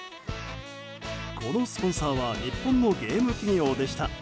このスポンサーは日本のゲーム企業でした。